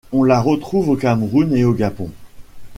On la retrouve au Cameroun et au Gabon.